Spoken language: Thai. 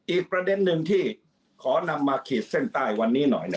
อีกประเด็นหนึ่งที่ขอนำมาขีดเส้นใต้วันนี้หน่อย